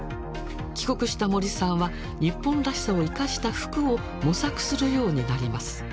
帰国した森さんは日本らしさを生かした服を模索するようになります。